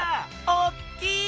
おっきい！